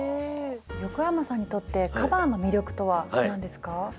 横山さんにとってカバーの魅力とは何ですか？